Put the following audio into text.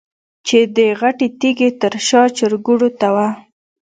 چې د غټې تيږې تر شا چرګوړو ته وه.